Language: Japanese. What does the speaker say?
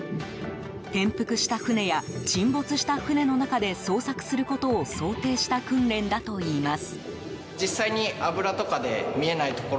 転覆した船や沈没した船の中で捜索することを想定した訓練だといいます。